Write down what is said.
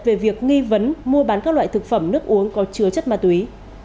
về việc nghi vấn mua bán các loại thực phẩm nước uống có chứa chất ma túy